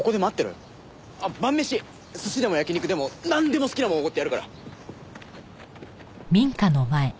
晩メシ寿司でも焼き肉でもなんでも好きなものおごってやるから！